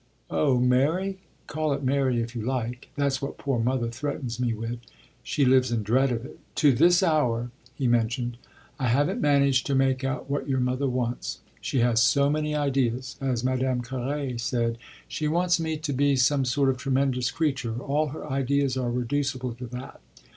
"Oh 'marry'? call it marry if you like. That's what poor mother threatens me with she lives in dread of it." "To this hour," he mentioned, "I haven't managed to make out what your mother wants. She has so many ideas, as Madame Carré said." "She wants me to be some sort of tremendous creature all her ideas are reducible to that.